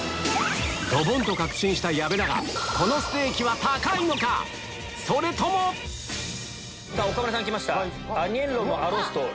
ドボンと確信した矢部だがこのステーキは高いのか⁉それとも岡村さんきました。